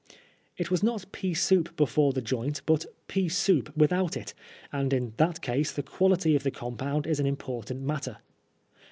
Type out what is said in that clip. It was not pea soup before the joint, but pea soup without it, and in that case the quality of the compound is an important matter.